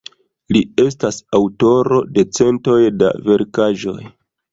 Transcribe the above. Li estas aŭtoro de centoj da verkaĵoj.